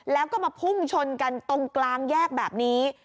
แล้วก็มาพุ่งชนกันตรงกลางแยกแบบนี้